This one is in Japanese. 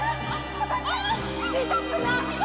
私死にたくない！